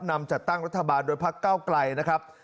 นำจัดตั้งรัฐบาลโดยพักเก้าไกลนะครับ